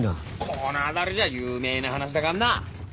この辺りじゃ有名な話だかんな。